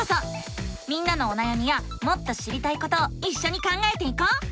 みんなのおなやみやもっと知りたいことをいっしょに考えていこう！